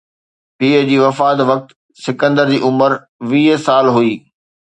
پيءُ جي وفات وقت سڪندر جي عمر ويهه سال هئي